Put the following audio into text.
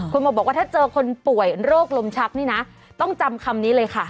คุณโมบอกว่าถ้าเจอคนป่วยโรคลมชักนี่นะต้องจำคำนี้เลยค่ะ